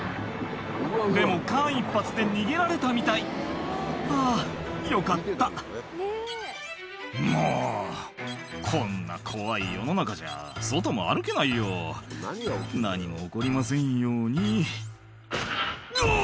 でも間一髪で逃げられたみたいあぁよかったもうこんな怖い世の中じゃ外も歩けないよ何も起こりませんようにうわ！